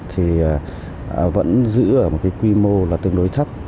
thì vẫn giữ ở một cái quy mô là tương đối thấp